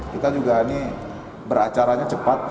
kita juga ini beracaranya cepat